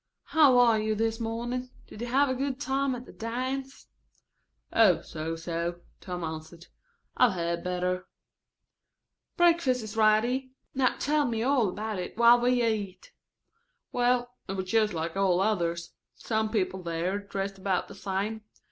"How are you this morning? Did you have a good time at the dance?" "Oh, so so," Tom answered. "I've had better." "Breakfast is ready. Now tell me all about it while we eat." "Well, it was just like all others. Same people there, dressed about the same.